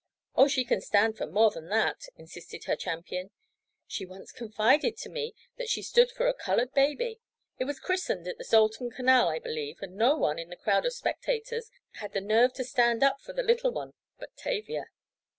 "Oh, she can stand for more than that," insisted her champion. "She once confided to me that she 'stood' for a colored baby. It was christened in the Dalton canal I believe, and no one, in the crowd of spectators, had the nerve to stand for the little one but Tavia."